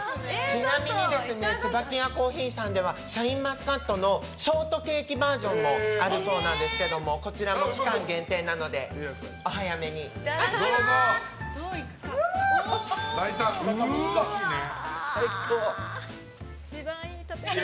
ちなみに椿屋珈琲さんではシャインマスカットのショートケーキバージョンもあるそうなんですけどこちらも期間限定なのでいただきます！